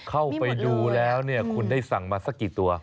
เข้าไปดูแล้วเนี่ยคุณได้สั่งมาสักกี่ตัว